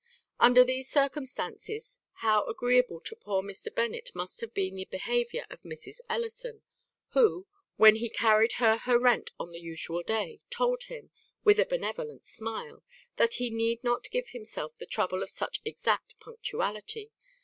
"Under these circumstances, how agreeable to poor Mr. Bennet must have been the behaviour of Mrs. Ellison, who, when he carried her her rent on the usual day, told him, with a benevolent smile, that he needed not to give himself the trouble of such exact punctuality.